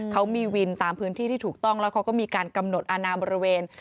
เขามีวินตามพื้นที่ที่ถูกต้องแล้วเขาก็มีการกำหนดอนามบริเวณ